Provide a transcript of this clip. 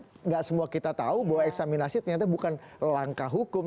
tidak semua kita tahu bahwa eksaminasi ternyata bukan langkah hukum